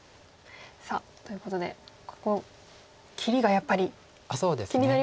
さあということで切りがやっぱり気になりますよね。